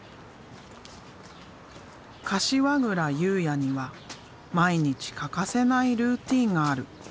柏倉佑哉には毎日欠かせないルーティーンがある。